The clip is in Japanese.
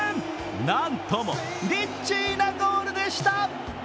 なんともリッチーなゴールでした。